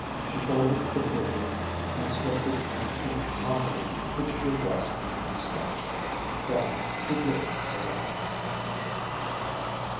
She folded the paper and slipped it into an envelope which she addressed and stamped. Then she blew out the light.